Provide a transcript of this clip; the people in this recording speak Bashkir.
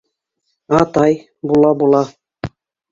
— Атай, була-була...